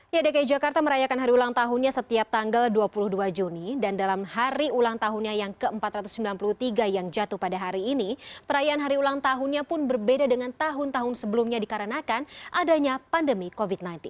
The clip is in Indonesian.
ya dki jakarta merayakan hari ulang tahunnya setiap tanggal dua puluh dua juni dan dalam hari ulang tahunnya yang ke empat ratus sembilan puluh tiga yang jatuh pada hari ini perayaan hari ulang tahunnya pun berbeda dengan tahun tahun sebelumnya dikarenakan adanya pandemi covid sembilan belas